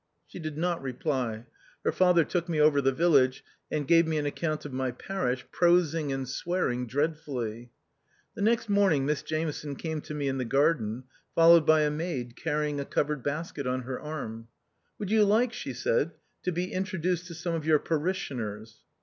She did not reply. Her father took me over the village, and gave me an account of my parish, prosing and swearing dreadfully. The next morning Miss Jameson came to me in the garden, followed by a maid carry ins: a covered basket on her arm. " Would you like," she said, "to be introduced to some of your parishioners